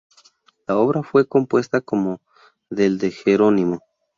La obra fue compuesta como del de Jerónimo.